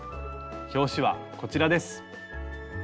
表紙はこちらです。